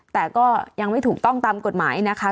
แต่ก็ยังไม่ถูกต้องตามกฎหมายนะคะ